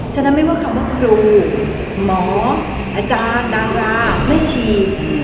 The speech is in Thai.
ฉะนั้นไม่ว่าคำว่าครูหมออาจารย์ดาราไม่ฉีด